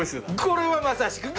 これはまさしく。